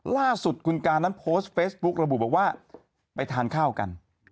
ล่าสุดคุณการนั้นโพสต์เฟซบุ๊กระบุบอกว่าไปทานข้าวกัน